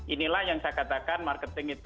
inilah yang saya katakan marketing itu